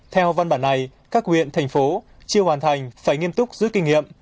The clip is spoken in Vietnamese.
theo văn bản này các huyện thành phố chưa hoàn thành phải nghiêm túc rút kinh nghiệm